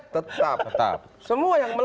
tetap tetap semua yang